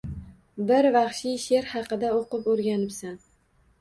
Bir vaxshiy sher xaqida oʻqib oʻrganibsan.